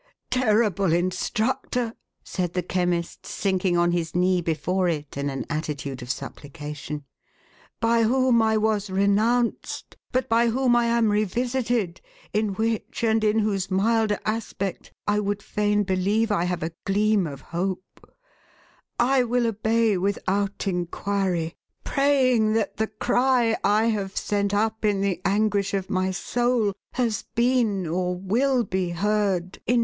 " Terrible instructor,"" said the Chemist, sinking on his knee before it, in an attitude of supplication, " by whom I was re nounced, but by whom I am revisited (in which, and in whose milder aspect, I would fain believe I have a gleam of hope), I will obey without inquiry, praying that the cry I have sent up in the anguish of my soul has been, or will be, heard, in 498 THE HAUNTED MAN.